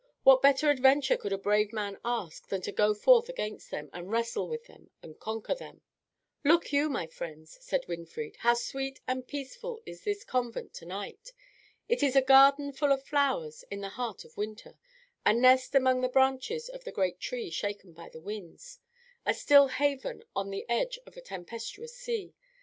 What better adventure could a brave man ask than to go forth against them, and wrestle with them, and conquer them? "Look you, my friends," said Winfried, "how sweet and peaceful is this convent to night! It is a garden full of flowers in the heart of winter; a nest among the branches of a great tree shaken by the winds; a still haven on the edge of a tempestuous sea.